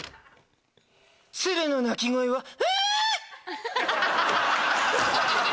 鶴の鳴き声はウ！